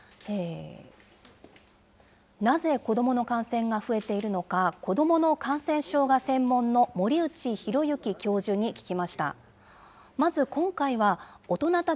なぜ子どもの感染が増えているのか、子どもの感染症が専門の森内浩幸教授に聞きました。